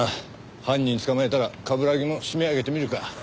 犯人捕まえたら冠城も締め上げてみるか。